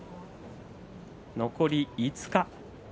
残り５日。